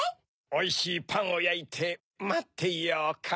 おいしいパンをやいてまっていようか。